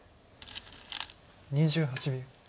２８秒。